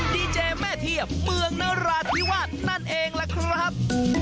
ดีเจแม่เทียบเมืองนราธิวาสนั่นเองล่ะครับ